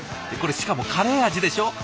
これしかもカレー味でしょ。